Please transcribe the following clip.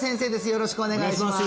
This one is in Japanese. よろしくお願いします